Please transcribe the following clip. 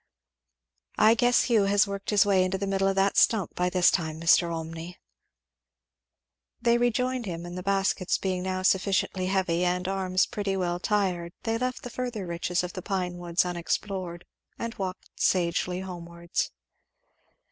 I guess Hugh has worked his way into the middle of that stump by this time, Mr. Olmney." They rejoined him; and the baskets being now sufficiently heavy and arms pretty well tired they left the further riches of the pine woods unexplored and walked sagely homewards.